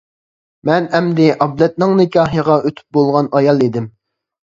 مەن ئەمدى ئابلەتنىڭ نىكاھىغا ئۆتۈپ بولغان ئايال ئىدىم.